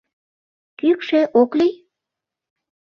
— Кӱкшӧ ок лий?